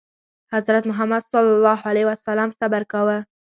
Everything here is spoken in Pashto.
حضرت محمد ﷺ صبر کاوه.